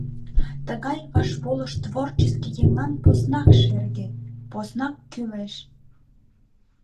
Тыгай вашполыш творческий еҥлан поснак шерге, поснак кӱлеш.